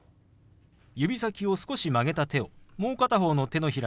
指先を少し曲げた手をもう片方の手のひらにポンと置きます。